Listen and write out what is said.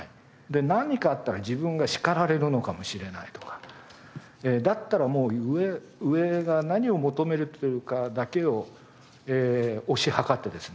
で何かあったら自分が叱られるのかもしれないとかだったらもう上が何を求めてるかだけを推し量ってですね